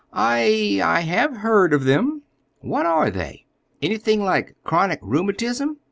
"I—I have heard of them." "What are they? Anything like chronic rheumatism?